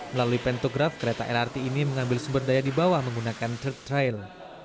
melalui pentograf kereta lrt ini mengambil sumber daya di bawah menggunakan third trail